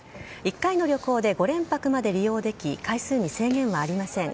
１回の旅行で５連泊まで利用でき回数に制限はありません。